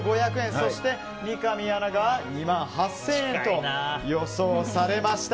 そして三上アナが２万８０００円と予想されました。